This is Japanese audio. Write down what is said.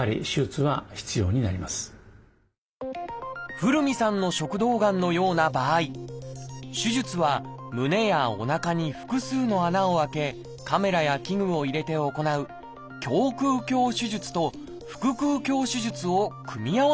古海さんの食道がんのような場合手術は胸やおなかに複数の穴を開けカメラや器具を入れて行う胸くう鏡手術と腹くう鏡手術を組み合わせて行います。